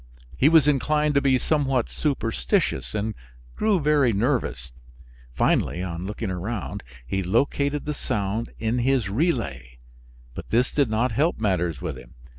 He was inclined to be somewhat superstitious and grew very nervous; finally, on looking around, he located the sound in his relay, but this did not help matters with him.